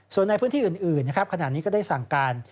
ส่วนในพื้นที่อื่นขนาดนี้ก็ได้สั่งการ